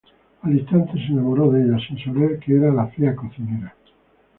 Al instante se enamoró de ella sin saber que era la fea cocinera.